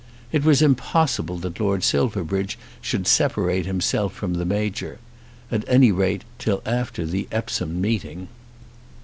It was impossible that Lord Silverbridge should separate himself from the Major, at any rate till after the Epsom meeting.